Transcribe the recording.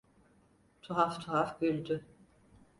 Tuhaf tuhaf güldü: